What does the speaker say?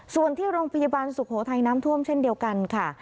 ส่วนที่โรงพยาบาลสุโขทัยน้ำท่วมเช่นเดียวกันค่ะ